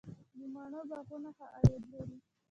د مڼو باغونه ښه عاید لري؟